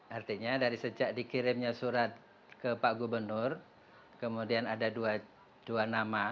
artinya dari sejak dikirimnya surat ke pak gubernur kemudian ada dua nama